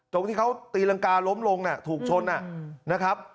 ตรงที่เขาตีรังกาล้มลงถูกชนนะครับ